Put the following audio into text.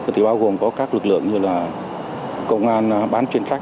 thì bao gồm có các lực lượng như là công an bán chuyên trách